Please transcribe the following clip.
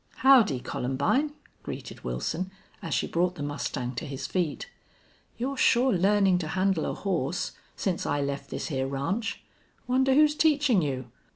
"Howdy, Columbine!" greeted Wilson, as she brought the mustang to his feet. "You're sure learning to handle a horse since I left this here ranch. Wonder who's teaching you!